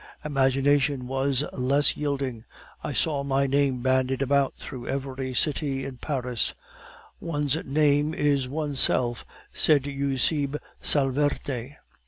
"Imagination was less yielding; I saw my name bandied about through every city in Europe. 'One's name is oneself' says Eusebe Salverte.